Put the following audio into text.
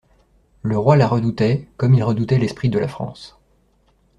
Le roi la redoutait, comme il redoutait l'esprit de la France.